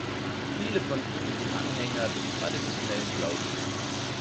Viele von ihnen sind Anhänger des traditionellen Glaubens.